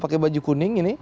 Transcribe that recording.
pakai baju kuning ini